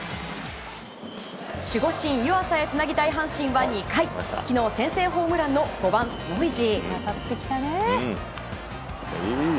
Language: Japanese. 守護神・湯浅へつなぎたい阪神は２回昨日、先制ホームランの５番ノイジー。